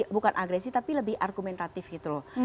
bukan agresi tapi lebih argumentatif gitu loh